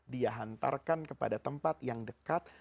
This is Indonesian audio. dia hantarkan kepada tempat yang dekat